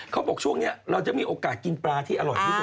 เขาบอกช่วงนี้เราจะมีโอกาสกินปลาที่อร่อยที่สุด